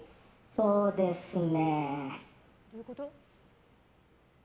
そうですね。